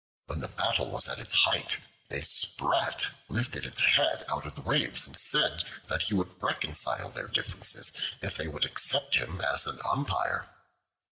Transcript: When the battle was at its height, a Sprat lifted its head out of the waves and said that he would reconcile their differences if they would accept him as an umpire.